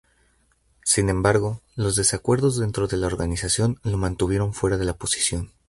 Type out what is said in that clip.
Sin embargo, los desacuerdos dentro de la organización lo mantuvieron fuera de la posición.